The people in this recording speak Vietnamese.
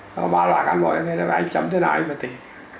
có ba loại cán bộ như thế nó phải anh chấm thế nào anh phải tìm